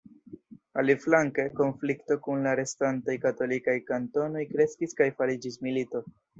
Aliflanke, konflikto kun la restantaj katolikaj kantonoj kreskis kaj fariĝis milito.